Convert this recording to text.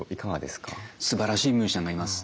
すばらしいミュージシャンがいます。